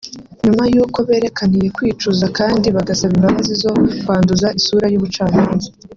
nyuma y’uko berekaniye kwicuza kandi bagasaba imbabazi zo kwanduza isura y’ubucamanza